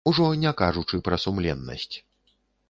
Ужо не кажучы пра сумленнасць.